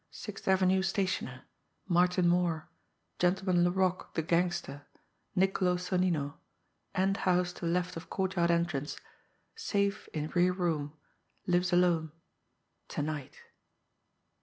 Sixth Avenue stationer ... Martin Moore ... Gentleman Laroque, the gangster ... Niccolo Sonnino ... end house to left of courtyard entrance ... safe in rear room ... lives alone ... tonight